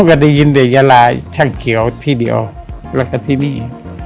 ก็ได้ยินแต่ยาลาช่างเขียวที่เดียวแล้วก็ที่นี่